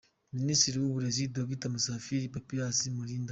Minisitiri w’Uburezi, Dr Musafiri Papias Malimba